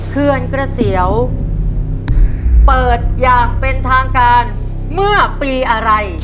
เขื่อนกระเสียวเปิดอย่างเป็นทางการเมื่อปีอะไร